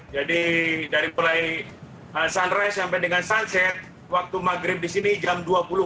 jadi dari mulai sunrise sampai dengan sunset waktu maghrib di sini jam dua puluh